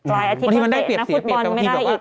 ปลายอาทิตย์เขาเตะนักฟุตบอลไม่ได้อีก